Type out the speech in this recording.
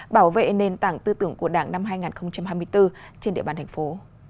bảo vệ nền tảng tư tưởng của đảng năm hai nghìn hai mươi bốn trên địa bàn thành phố